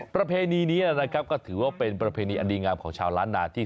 ประเพณีนี้นะครับก็ถือว่าเป็นประเพณีอันดีงามของชาวล้านนาที่